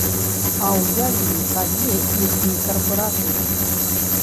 А ўяві сабе іхні карпаратыў?